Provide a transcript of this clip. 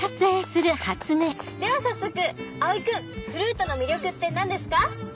では早速蒼君フルートの魅力って何ですか？